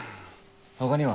他には？